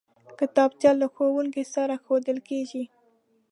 کتابچه له ښوونکي سره ښودل کېږي